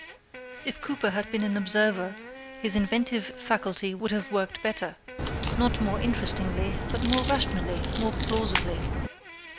If Cooper had been an observer his inventive faculty would have worked better; not more interestingly, but more rationally, more plausibly.